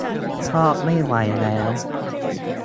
ชอบไม่ไหวแล้ว !